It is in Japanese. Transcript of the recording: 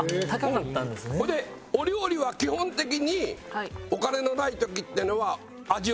それでお料理は基本的にお金のない時っていうのは。